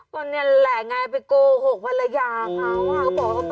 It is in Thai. ก็เนี่ยแหละไงไปโกหกภรรยาครับ